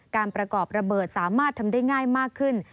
การประกอบระเบิดสามารถทำได้ง่ายมากขึ้น